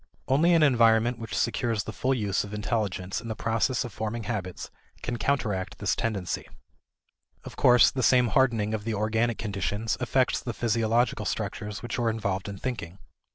Only an environment which secures the full use of intelligence in the process of forming habits can counteract this tendency. Of course, the same hardening of the organic conditions affects the physiological structures which are involved in thinking.